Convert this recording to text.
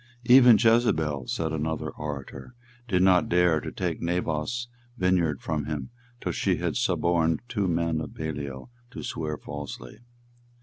"Even Jezebel," said another orator, "did not dare to take Naboth's vineyard from him till she had suborned two men of Belial to swear falsely."